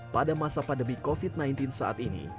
pada masa pandemi covid sembilan belas saat ini